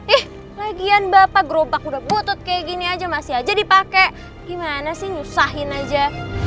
eh lagian bapak gerobak udah putut kayak gini aja masih aja dipakai gimana sih nyusahin aja